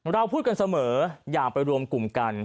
เราพูดกันเสมออย่าไปรวมกลุ่มกัน